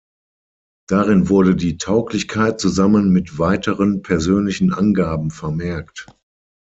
Darin wurde die Tauglichkeit zusammen mit weiteren persönlichen Angaben vermerkt.